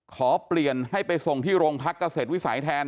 ขอเปลี่ยนให้ไปส่งที่โรงพักเกษตรวิสัยแทน